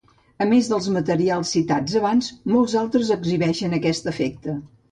A més dels materials citats abans, molts altres exhibeixen aquest efecte.